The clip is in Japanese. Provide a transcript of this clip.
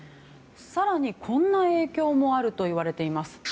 更にこんな影響もあるといわれています。